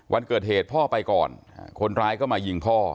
วันเกิดเหตุพ่อไปก่อนคนร้ายก็มายิงพ่อ